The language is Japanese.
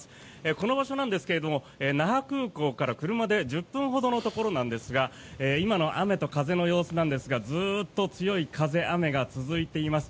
この場所なんですが那覇空港から車で１０分ほどのところなんですが今の雨と風の様子なんですがずっと強い風、雨が続いています。